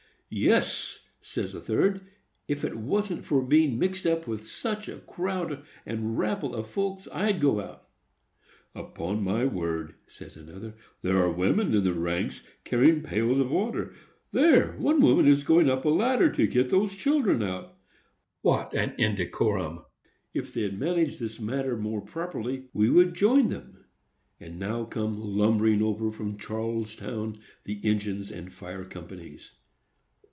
"Yes," says a third; "if it wasn't for being mixed up with such a crowd and rabble of folks, I'd go out." "Upon my word," says another, "there are women in the ranks, carrying pails of water! There, one woman is going up a ladder to get those children out. What an indecorum! If they'd manage this matter properly, we would join them." And now come lumbering over from Charlestown the engines and fire companies.